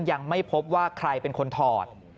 ยังไม่พบว่าใครเป็นคนถอด